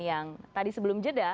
yang tadi sebelum jeda